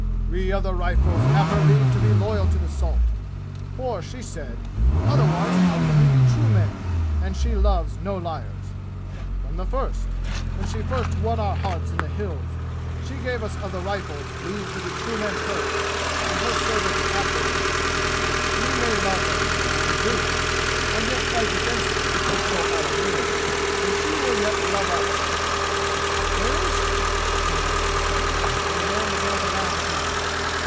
"We of the Rifles have her leave to be loyal to the salt, for, said she, otherwise how could we be true men; and she loves no liars. From the first, when she first won our hearts in the 'Hills,' she gave us of the Rifles leave to be true men first and her servants afterward! We may love her as we do! and yet fight against her, if so Allah wills and she will yet love us!" "Where is she?" King asked him suddenly, and the man began to laugh again.